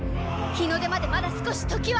日の出までまだ少し刻はある！